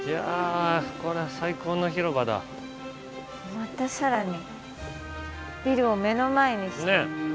また更にビルを目の前にして。